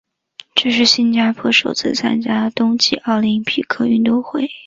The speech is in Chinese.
这是新加坡首次参加冬季奥林匹克运动会。